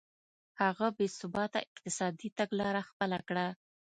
هغه بې ثباته اقتصادي تګلاره خپله کړه.